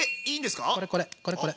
これこれこれこれ。